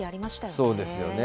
そうですよね。